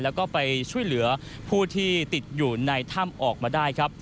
แล้วก็ไปช่วยเหลือผู้ที่ติดอยู่ในถ้ำออกมาได้ครับ